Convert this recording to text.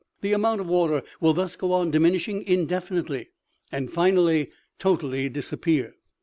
The amount of water will thus go on diminishing indefinitely, and finally totally disappear.